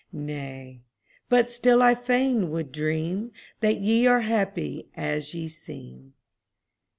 Nay but still I fain would dream That ye are happy as ye seem.